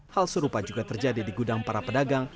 hal serupa juga terjadi di gudang para pedagang